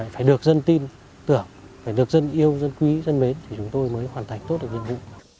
phải được dân tin tưởng phải được dân yêu dân quý dân mến thì chúng tôi mới hoàn thành tốt được nhiệm vụ